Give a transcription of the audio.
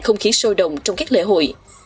không khí sôi đồng trong các lễ hội